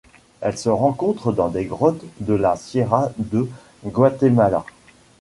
Elle se rencontre dans des grottes de la Sierra de Guatemala.